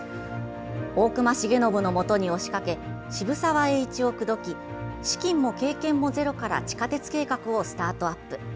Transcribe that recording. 大隈重信のもとに押しかけ渋沢栄一を口説き資金も経験もゼロから地下鉄計画をスタートアップ。